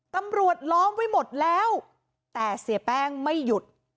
ล้อมไว้หมดแล้วแต่เสียแป้งไม่หยุด